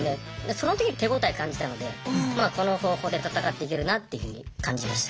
その時に手応え感じたのでまあこの方法で戦っていけるなっていうふうに感じました。